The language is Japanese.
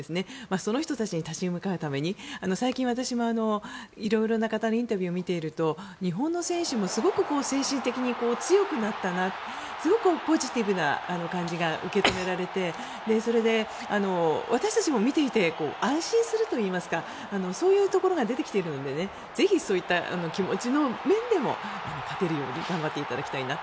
その人たちに立ち向かうために最近、私も色々な方のインタビューを見ていると日本の選手もすごく精神的に強くなったなとすごくポジティブな感じが受け止められてそれで、私たちも見ていて安心するといいますかそういうところが出てきているのでぜひそういった気持ちの面でも勝てるように頑張っていただきたいなと。